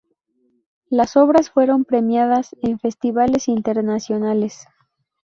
Las obras fueron premiadas en festivales internacionales.